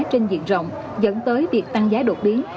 trên diện rộng dẫn tới việc tăng giá đột biến